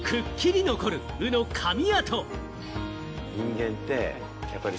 くっきり残る鵜の噛み